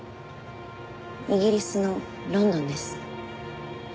イギリスのロンドンです。